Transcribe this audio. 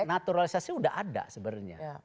karena naturalisasi udah ada sebenarnya